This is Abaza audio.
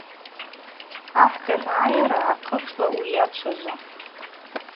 Ахӏ дангӏайра ахъышвла уйачважва.